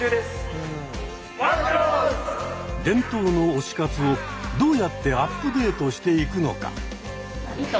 伝統の推し活をどうやってアップデートしていくのか。